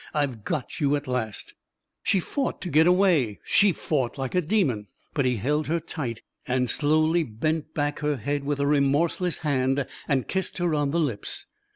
" I've got you at last !" She fought to get away — she fought like a de mon ; but he held her tight, and slowly bent back her head with a remorseless hand and kissed her on the lips.